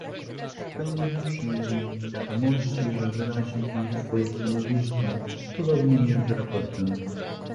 W pełni przyjmuję do wiadomości, że wyraził pan swoje stanowisko, podobnie jest z raportem